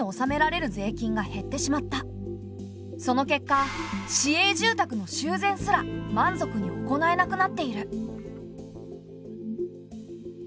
その結果市営住宅の修繕すら満足に行えなくなっている。